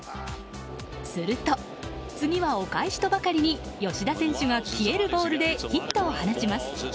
すると、次はお返しとばかりに吉田選手が消えるボールでヒットを放ちます。